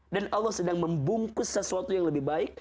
dan allah sedang membungkus sesuatu yang lebih baik